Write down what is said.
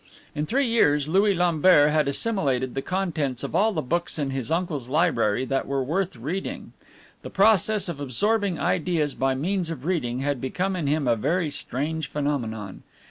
In three years Louis Lambert had assimilated the contents of all the books in his uncle's library that were worth reading. The process of absorbing ideas by means of reading had become in him a very strange phenomenon.